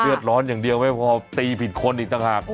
ร้อนอย่างเดียวไม่พอตีผิดคนอีกต่างหาก